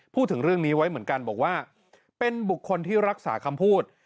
พูดถึงเรื่องนี้ไว้เหมือนกันบอกว่าเป็นบุคคลที่รักษาคำพูด